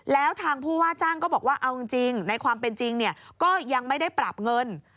แล้วทางผู้ว่าจ้างก็บอกว่าเอาจริงในความเป็นจริงก็ยังไม่ได้ปรับเงิน